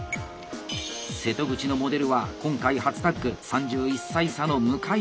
瀬戸口のモデルは今回初タッグ３１歳差の向田明日香。